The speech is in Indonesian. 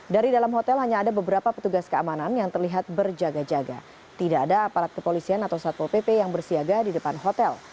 dari dalam hotel hanya ada beberapa petugas keamanan yang terlihat berjaga jaga tidak ada aparat kepolisian atau satpol pp yang bersiaga di depan hotel